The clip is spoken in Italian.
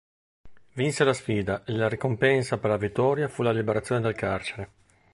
Vinse la sfida e la ricompensa per la vittoria fu la liberazione dal carcere.